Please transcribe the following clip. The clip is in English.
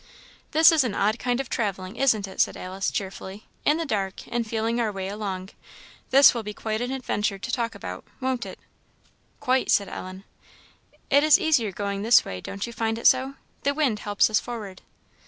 "This is an odd kind of travelling, isn't it?" said Alice, cheerfully; "in the dark, and feeling our way along? This will be quite an adventure to talk about, won't it?" "Quite," said Ellen. "It is easier going this way, don't you find it so? The wind helps us forward."